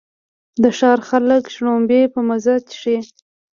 د ښار خلک شړومبې په مزه څښي.